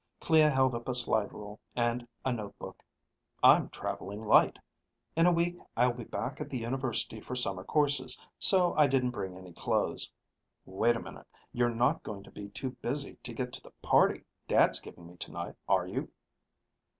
Clea held up a slide rule and a notebook. "I'm traveling light. In a week I'll be back at the university for summer courses, so I didn't bring any clothes. Wait a minute. You're not going to be too busy to get to the party Dad's giving me tonight, are you?"